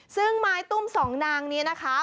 ซึ่งไม้ตุ้มสองนางนี้นะคะ